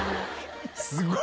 すごい。